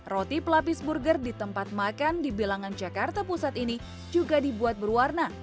roti pelapis burger di tempat makan di bilangan jakarta pusat ini juga dibuat berwarna